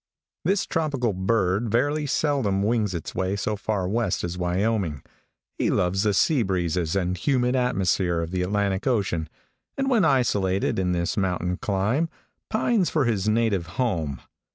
|THIS tropical bird very seldom wings his way so far west as Wyoming. He loves the sea breezes and humid atmosphere of the Atlantic ocean, and when isolated in this mountain clime, pines for his native home.